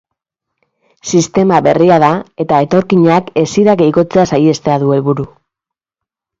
Sistema berria da, eta etorkinak hesira igotzea saihestea du helburu.